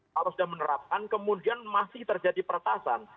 kalau sudah menerapkan kemudian masih terjadi peretasan